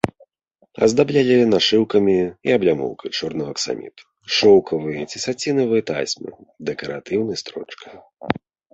Аздаблялі нашыўкамі і аблямоўкай чорнага аксаміту, шоўкавай ці сацінавай тасьмы, дэкаратыўнай строчкай.